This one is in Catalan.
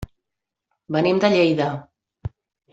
Venim de Lleida.